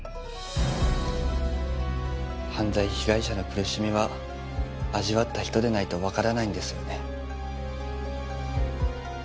犯罪被害者の苦しみは味わった人でないとわからないんですよね。